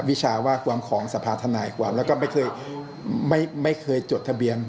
วิชาว่าความของสภาธนายความแล้วก็ไม่เคยไม่เคยจดทะเบียน